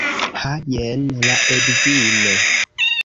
Ha! Jen la edzino.